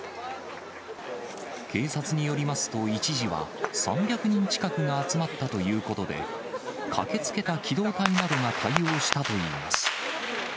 警察によりますと、一時は３００人近くが集まったということで、駆けつけた機動隊などが対応したといいます。